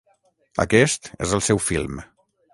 Aquest és el seu film.